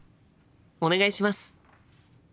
お願いします！